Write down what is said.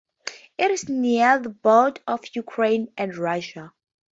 It is near the border of Ukraine and Russia.